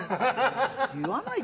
言わないで。